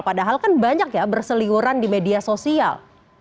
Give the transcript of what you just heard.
padahal kan banyak ya berseliuran di media sosial